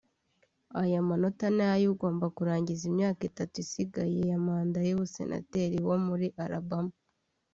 Aya matora ni ay’ugomba kurangiza imyaka itatu isigaye ya manda y’umusenateri wo muri Alabama